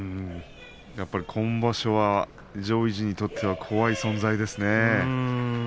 やっぱり今場所は上位陣にとっては怖い存在ですね。